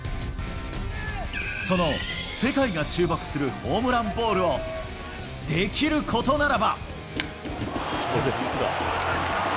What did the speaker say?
その世界が注目するホームランボールを、できることならば。